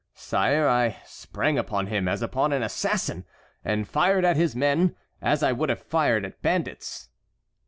Sire, I sprang upon him as upon an assassin and fired at his men as I would have fired at bandits."